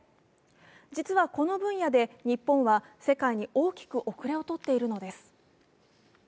実はこの分野で、日本は世界に大きく遅れをとっているのです。